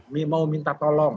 mau minta tolong